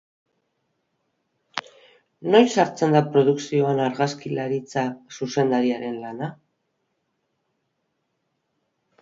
Noiz sartzen da produkzioan argazkilaritza zuzendariaren lana?